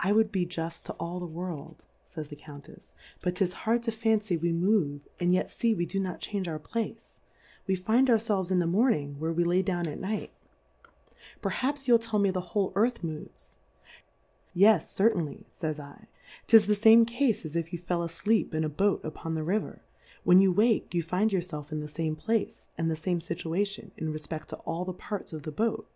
I would be Jull to all tiie World, JaAs the Coun tefs ; but 'tis hard to tancy Vv^e move, and yet fee we do not change our Place ; we find our felves in tlie Morning where we lay down at Night : Per haps 2 4 Difcourfes on the haps you'll tell me the whole Eartlj moves — Yes, certainly, fajs /, 'tis the fame Cafe as if you fell afleep in a Boat upon the River, when you wake you find your felf in the fame Place, and the fame Scituation, in refpeft to all the Parts of the Boat.